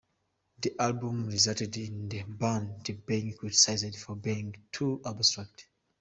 The album resulted in the band being criticised for being 'too abstract'.